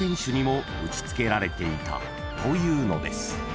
［というのです］